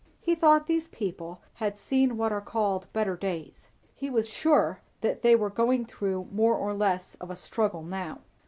He thought these people had seen what are called better days; he was sure that they were going through more or less of a struggle now.